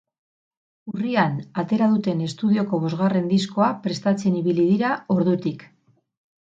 Urrian atera duten estudioko bosgarren diskoa prestatzen ibili dira ordutik.